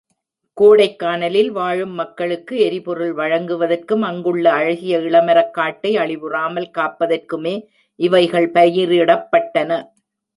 கோடைக்கானலில் வாழும் மக்களுக்கு எரிபொருள் வழங்குவதற்கும், அங்குள்ள அழகிய இளமரக் காட்டை அழிவுறாமல் காப்பதற்குமே இவைகள் பயிரிடப்பட்டன.